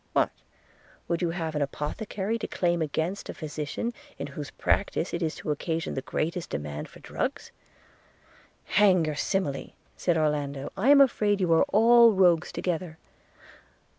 What? would you have an apothecary declaim against a physician in whose practice it is to occasion the greatest demand for drugs?' 'Hang your simile!' said Orlando: 'I am afraid you are all rogues together.'